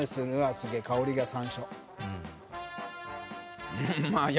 すげぇ香りが山椒。